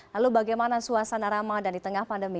lalu bagaimana suasana ramadan di tengah pandemi